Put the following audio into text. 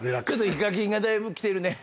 ＨＩＫＡＫＩＮがだいぶきてるね。